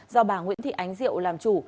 do bà nguyễn thị ánh diệu làm chủ